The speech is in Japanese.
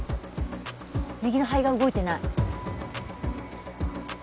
右の肺が動いてない。